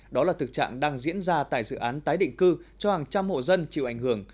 đó là thực trạng đang diễn ra tại dự án tái định cư cho hàng trăm hộ dân chịu ảnh hưởng